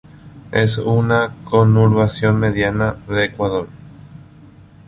Es una conurbación mediana de Ecuador.